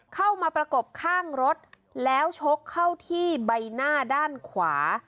เข้ามาประกบข้างรถแล้วชกเข้าที่ใบหน้าด้านขวา